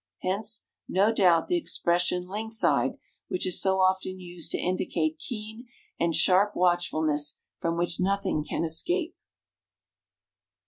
Hence, no doubt, the expression "lynx eyed," which is so often used to indicate keen and sharp watchfulness from which nothing can escape.